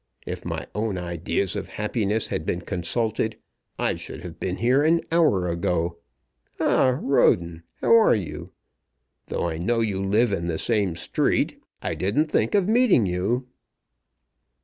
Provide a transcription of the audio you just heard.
If my own ideas of happiness had been consulted I should have been here an hour ago. Ah, Roden, how are you? Though I know you live in the same street, I didn't think of meeting you."